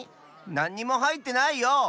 なんにもはいってないよ！